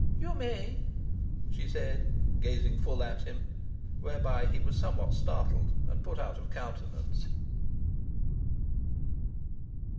"You may," she said, gazing full at him. Whereby he was somewhat startled and put out of countenance.